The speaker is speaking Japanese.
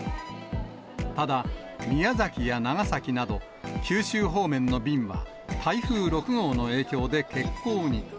ただ、宮崎や長崎など、九州方面の便は、台風６号の影響で欠航に。